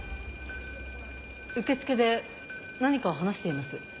受付で何かを話しています。